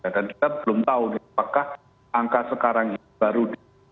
dan kita belum tahu apakah angka sekarang ini baru di